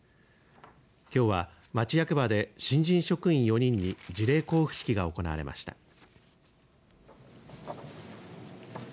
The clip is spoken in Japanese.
きょうは町役場で新人職員４人に辞令交付式が行われました。